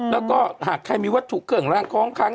แล้วก็หากใครมีวัตถุเกริ่งร่างคล้องค้าง